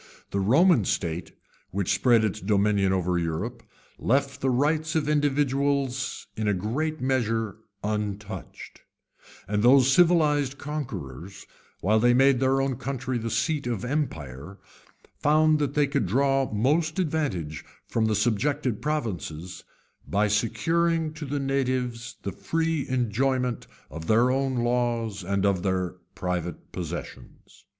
The Roman state, which spread its dominion over Europe, left the rights of individuals in a great measure untouched; and those civilized conquerors, while they made their own country the seat of empire, found that they could draw most advantage from the subjected provinces, by securing to the natives the free enjoyment cf their own laws and of their private possessions.